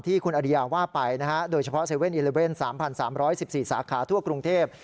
ที่คุณอริยาว่าไปนะฮะโดยเฉพาะ๗๑๑๓๓๑๔สาขาทั่วกรุงเทพ